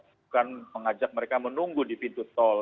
bukan mengajak mereka menunggu di pintu tol